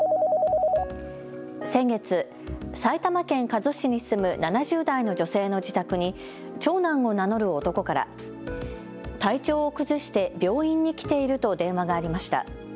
先月、埼玉県加須市に住む７０代の女性の自宅に長男を名乗る男から体調を崩して病院に来ていると電話がありました。